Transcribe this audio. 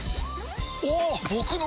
おっ！